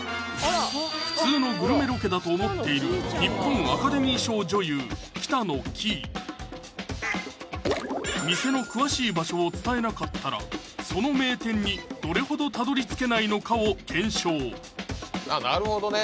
普通のグルメロケだと思っている店の詳しい場所を伝えなかったらその名店にどれほど辿り着けないのかを検証なるほどね